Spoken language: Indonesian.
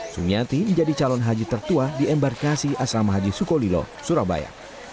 sumiati menjadi calon haji tertua di embarkasi asrama haji sukolilo surabaya